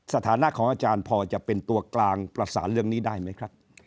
สถานะของอาจารย์พอจะเป็นตัวกลางประสานเรื่องนี้ได้ไหมครับ